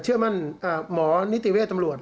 เชื่อมั่นหมอนิติเวทย์ตำรวจ